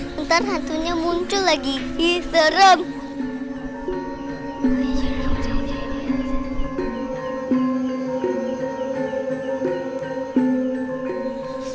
bentar hatunya muncul lagi istereng